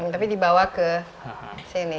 tapi dibawa ke sini